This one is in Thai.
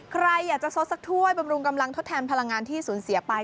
ใครอยากจะซดสักถ้วยบำรุงกำลังทดแทนพลังงานที่สูญเสียไป